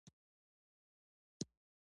ولایتونه د ځوانانو لپاره ډېره دلچسپي لري.